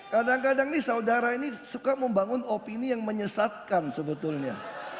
kadang kadang nih saudara ini suka membangun opini yang menyesatkan sebetulnya